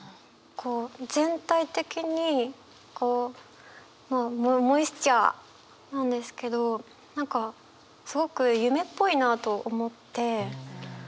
全体的にこうモイスチャーなんですけど何かすごく夢っぽいなと思って。